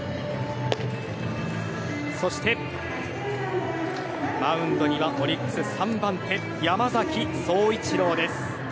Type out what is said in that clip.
そして、マウンドにはオリックス３番手、山崎颯一郎。